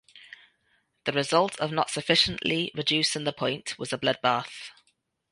The result of not sufficiently reducing "the Point" was a bloodbath.